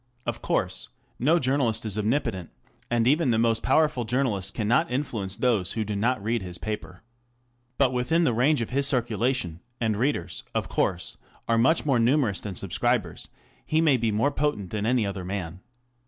Of course, no journalist is omnipotent, and even the most powerful journalist cannot influence those who do not read his paper. But within the range of his circulation ŌĆö and readers, of course, are much more numerous than subscribers ŌĆö he may be more potent than any other man.